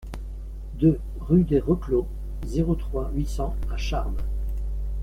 deux rue des Reclos, zéro trois, huit cents à Charmes